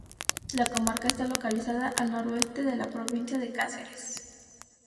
La comarca está localizada al noroeste de la provincia de Cáceres.